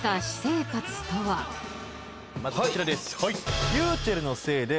まずこちらです。